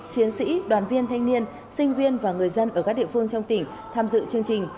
chiến sĩ đoàn viên thanh niên sinh viên và người dân ở các địa phương trong tỉnh tham dự chương trình